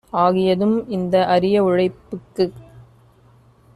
ஆகியதும் இந்த அரிய உழைப்புக்குப்